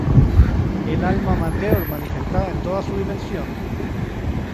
El alma amateur manifestada en toda su dimensión.